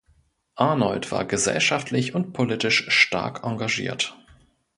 Arnold war gesellschaftlich und politisch stark engagiert.